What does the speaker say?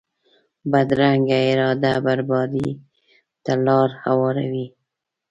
بدرنګه اراده بربادي ته لار هواروي